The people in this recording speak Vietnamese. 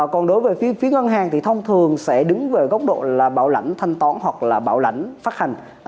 còn đối với phía ngân hàng thì thông thường sẽ đứng về góc độ là bảo lãnh thanh toán hoặc là bảo lãnh phát hành